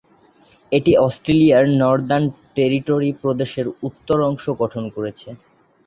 এটি অস্ট্রেলিয়ার northern territory প্রদেশের উত্তর অংশ গঠন করেছে।